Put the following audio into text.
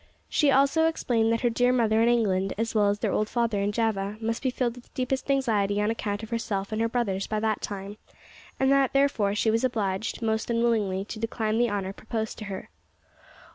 She also explained that her dear mother in England, as well as their old father in Java, must be filled with deepest anxiety on account of herself and her brothers by that time, and that, therefore, she was obliged, most unwillingly, to decline the honour proposed to her.